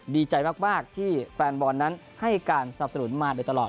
ดีใจมากที่แฟนบอลนั้นให้การสนับสนุนมาโดยตลอด